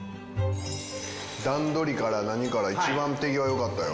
段取りから何から一番手際良かったよ。